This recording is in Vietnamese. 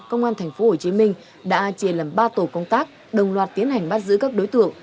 công an tp hcm đã chia làm ba tổ công tác đồng loạt tiến hành bắt giữ các đối tượng